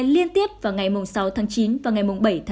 liên tiếp vào ngày sáu chín và ngày bảy chín